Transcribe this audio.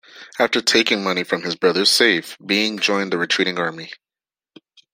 After taking money from his brother's safe, Bean joined the retreating army.